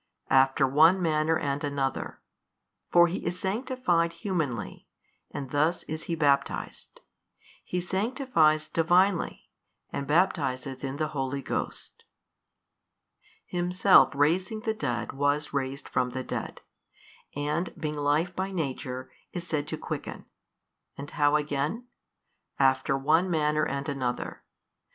After one manner and another; for He is sanctified humanly, and thus is He baptized: He sanctifies Divinely and baptizeth in the Holy Ghost. Himself raising the dead was raised from the dead, and being Life by Nature is said to quicken. And how again? After one manner and another.